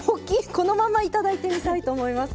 このまま頂いてみたいと思います。